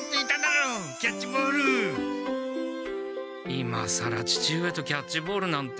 今さら父上とキャッチボールなんて。